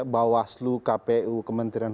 bawaslu kpu kementerian